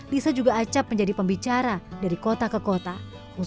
lisa juga acap menjadi pembicara dari kota ke kota khususnya di sumatera barat